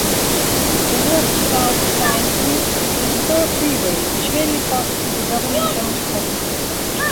The north-south signed route is a spur freeway which mainly passes through government-owned properties.